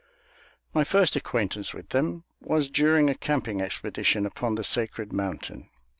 My first acquaintance with them was during a camping expedition upon the sacred mountain.